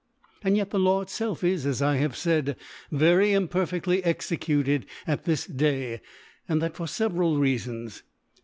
And yet the Law itfelf is, as I have faid, very impcrfeftly executed at this Day, and that for feveral Reafons.